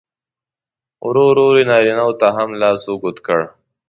ورو ورو یې نارینه و ته هم لاس اوږد کړ.